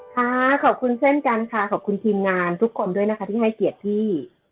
ค่ะขอบคุณเช่นกันค่ะขอบคุณทีมงานทุกคนด้วยนะคะที่ให้เกียรติพี่